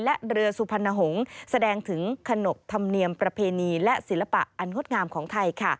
และเรือสุพรรณหงษ์แสดงถึงขนบธรรมเนียมประเพณีและศิลปะอันงดงามของไทย